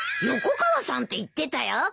横川さんって言ってたよ。